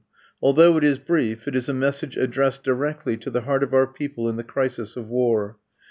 Although it is brief, it is a message addressed directly to the heart of our people in the crisis of war.